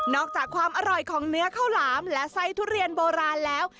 อกจากความอร่อยของเนื้อข้าวหลามและไส้ทุเรียนโบราณแล้ว